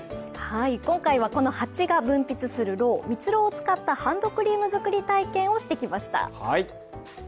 今回は、このハチが分泌するろう、蜜ろうを使ったハンドクリーム作り体験をしてきました。